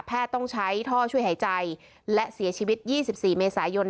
ต้องใช้ท่อช่วยหายใจและเสียชีวิต๒๔เมษายน